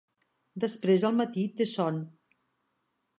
Després al matí té son.